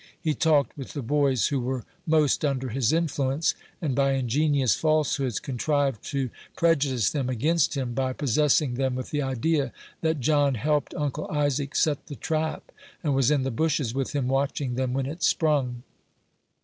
He talked with the boys who were most under his influence, and by ingenious falsehoods contrived to prejudice them against him, by possessing them with the idea that John helped Uncle Isaac set the trap, and was in the bushes with him watching them when it sprung.